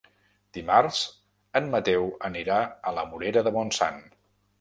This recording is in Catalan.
Dimarts en Mateu anirà a la Morera de Montsant.